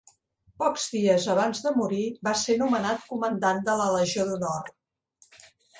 Pocs dies abans de morir va ser nomenat comandant de la Legió d'honor.